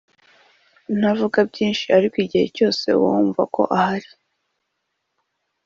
ntavuga byinshi ariko igihe cyose uba wumva ko ahari”